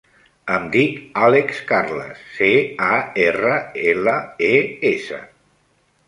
Em dic Àlex Carles: ce, a, erra, ela, e, essa.